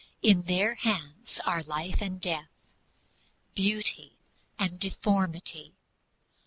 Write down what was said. In their hands are life and death, beauty and deformity.